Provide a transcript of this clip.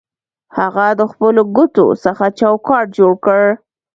هغه د خپلو ګوتو څخه چوکاټ جوړ کړ